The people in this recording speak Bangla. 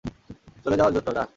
চলে যাওয়ার জন্য - না।